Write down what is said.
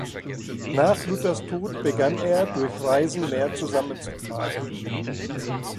Nach Luthers Tod begann er, durch Reisen mehr zusammenzutragen.